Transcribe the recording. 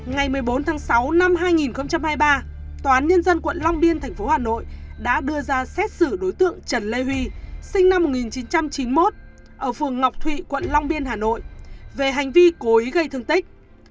ngày một mươi bốn tháng sáu năm hai nghìn hai mươi ba tòa án nhân dân quận long biên thành phố hà nội đã đưa ra xét xử đối tượng trần lê huy sinh năm một nghìn chín trăm chín mươi một ở phường ngọc thụy quận long biên hà nội về hành vi cố ý gây thương tích